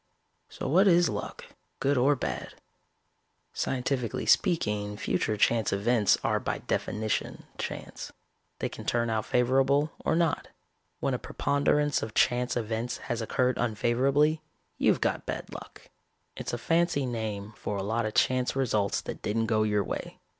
"So what is luck, good or bad? Scientifically speaking, future chance events are by definition chance. They can turn out favorable or not. When a preponderance of chance events has occurred unfavorably, you've got bad luck. It's a fancy name for a lot of chance results that didn't go your way.